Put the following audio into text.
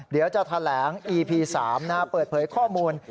เดี๋ยวจะแถลงอีพี๓เปิดเผยข้อมูล